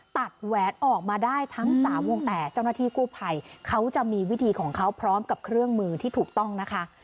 แหวนออกมาได้ทั้ง๓วงแต่เจ้าหน้าที่กู้ภัยเขาจะมีวิธีของเขาพร้อมกับเครื่องมือที่ถูกต้องนะคะ